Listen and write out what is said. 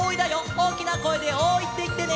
おおきなこえで「おーい」っていってね！